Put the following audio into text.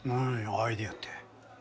アイデアって。